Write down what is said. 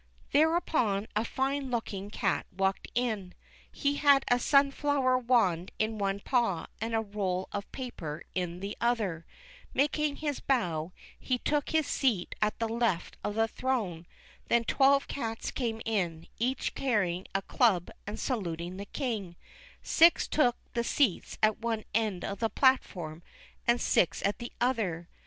Thereupon a fine looking cat walked in. He had a sunfiower wand in one paw and a roll of paper in the other; making his how, he took his seat at the left of the throne; then twelve cats came in, each carry ing a cluh and saluting the King ; six took the seats at one end of the platform, and six at the other.